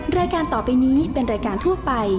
แม่บ้านประจันบรรดิ์